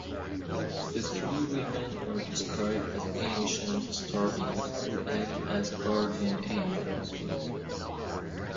The three women are described as ancient star-beings who act as guardian angels.